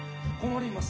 ・困ります